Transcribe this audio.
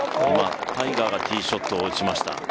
タイガーがティーショットを打ちました。